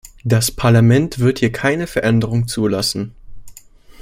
Das Parlament wird hier keine Veränderung zulassen.